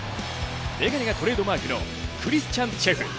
眼鏡がトレードマークのクリスチャン・チェフ。